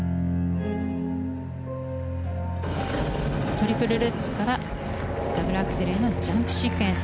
トリプルルッツからダブルアクセルへのジャンプシークエンス。